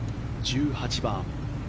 １８番。